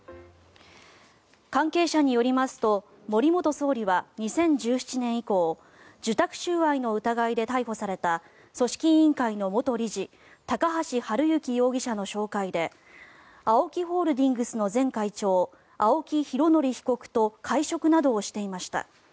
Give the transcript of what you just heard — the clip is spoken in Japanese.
関係者によりますと森元総理は２０１７年以降受託収賄の疑いで逮捕された組織委員会の元理事高橋治之容疑者の紹介でＡＯＫＩホールディングスの前会長青木拡憲被告と会食などをしていました。